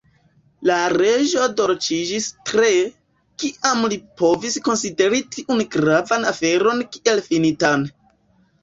La Reĝo dolĉiĝis tre, kiam li povis konsideri tiun gravan aferon kiel finitan.